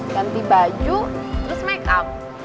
ganti baju terus makeup